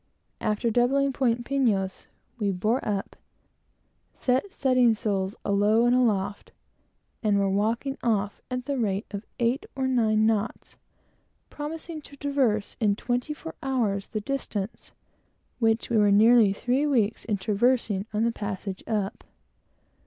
After doubling Point Pinos, we bore up, set studding sails alow and aloft, and were walking off at the rate of eight or nine knots, promising to traverse in twenty four hours the distance which we were nearly three weeks in traversing on the passage up.